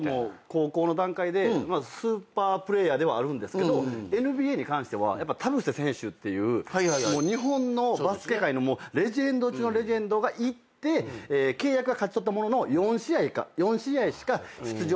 高校の段階でまずスーパープレーヤーではあるんですがＮＢＡに関しては田臥選手っていう日本のバスケ界のレジェンド中のレジェンドが行って契約は勝ち取ったものの４試合しか出場できずに終わってて。